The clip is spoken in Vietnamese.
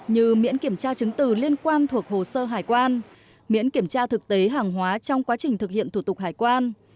như miễn kiểm tra chứng từ liên quan thuộc hồ sơ hải quan miễn kiểm tra thực tế hàng hóa trong quá trình thực hiện thủ tục hải quan